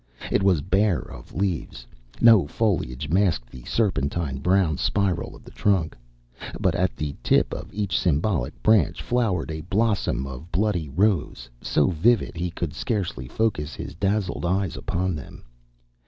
It was bare of leaves. No foliage masked the serpentine brown spiral of the trunk. But at the tip of each symbolic branch flowered a blossom of bloody rose so vivid he could scarcely focus his dazzled eyes upon them.